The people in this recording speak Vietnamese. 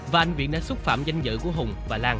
và anh viện đã xúc phạm đến danh dự của hùng